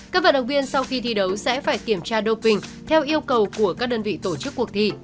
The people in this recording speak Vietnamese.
các vận động viên sau khi thi đấu sẽ phải kiểm tra doping theo yêu cầu của các đơn vị tổ chức cuộc thi